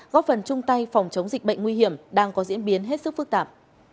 góp phần chung tay phòng chống dịch bệnh nguy hiểm đang có diễn biến hết sức phức tạp